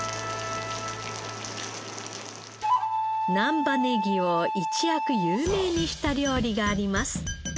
難波ネギを一躍有名にした料理があります。